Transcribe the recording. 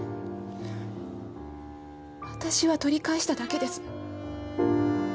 私は取り返しただけです。